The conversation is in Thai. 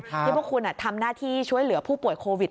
ที่พวกคุณทำหน้าที่ช่วยเหลือผู้ป่วยโควิด